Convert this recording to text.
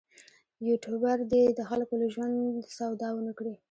یوټوبر دې د خلکو له ژوند سودا ونه کړي.